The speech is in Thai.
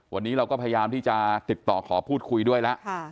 วันนี้เราก็พยายามที่จะติดต่อขอพูดคุยด้วยแล้ว